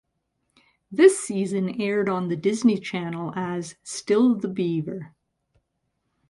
This season aired on The Disney Channel as "Still the Beaver".